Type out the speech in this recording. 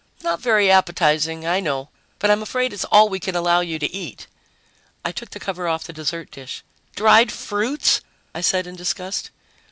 "Not very appetizing. I know, but I'm afraid it's all we can allow you to eat." I took the cover off the dessert dish. "Dried fruits!" I said in disgust.